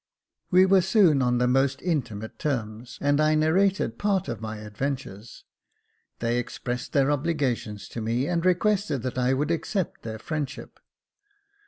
39^ Jacob Faithful We were soon on the most intimate terms, and I narrated part of my adventures. They expressed their obligations to me, and requested that I would accept their friendship.